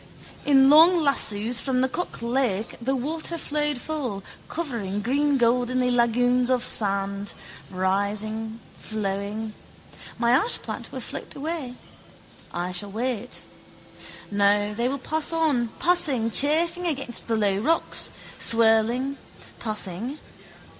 In long lassoes from the Cock lake the water flowed full, covering greengoldenly lagoons of sand, rising, flowing. My ashplant will float away. I shall wait. No, they will pass on, passing, chafing against the low rocks, swirling, passing.